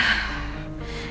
anak buah dia